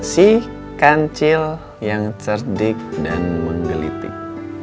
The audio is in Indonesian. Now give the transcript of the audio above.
si kancil yang cerdik dan menggelitik